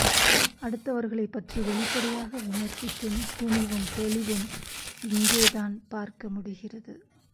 அடுத்தவர்களைப் பற்றி வெளிப்படையாக விமரிசிக்கும் துணிவும் தெளிவும் இங்கே தான் பார்க்க முடிகிறது.